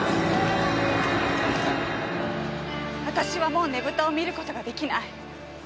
私はもうねぶたを見る事が出来ない。